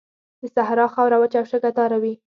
د صحرا خاوره وچه او شګهداره وي.